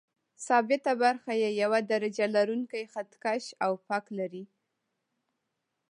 ثابته برخه یې یو درجه لرونکی خط کش او فک لري.